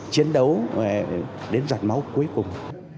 chiến đấu đến giọt máu cuối cùng